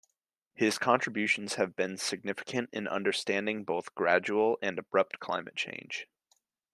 His contributions have been significant in understanding both gradual and abrupt climate change.